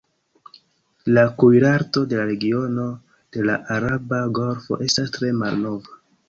La kuirarto de la regiono de la araba golfo estas tre malnova.